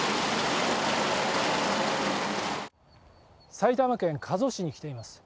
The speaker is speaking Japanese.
埼玉県加須市に来ています。